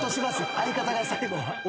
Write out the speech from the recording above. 相方が最後は。